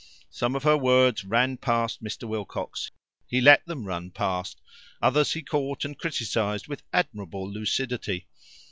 Some of her words ran past Mr. Wilcox. He let them run past. Others he caught and criticized with admirable lucidity.